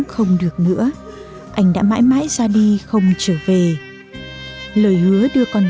trong lòng của con